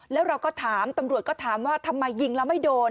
แล้วเราก็ถามตำรวจก็ถามว่าทำไมยิงแล้วไม่โดน